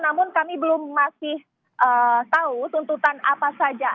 namun kami belum masih tahu tuntutan apa saja